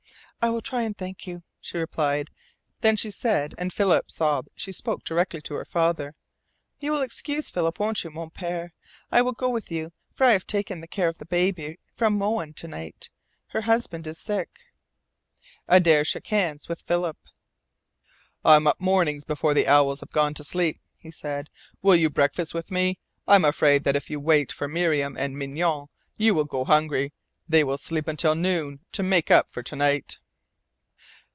"I will try and thank you," she replied. Then she said, and Philip saw she spoke directly to her father: "You will excuse Philip, won't you, Mon Pere? I will go with you, for I have taken the care of baby from Moanne to night. Her husband is sick." Adare shook hands with Philip. "I'm up mornings before the owls have gone to sleep," he said. "Will you breakfast with me? I'm afraid that if you wait for Miriam and Mignonne you will go hungry. They will sleep until noon to make up for to night."